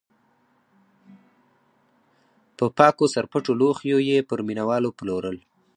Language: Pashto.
په پاکو سرپټو لوښیو یې پر مینه والو پلورل.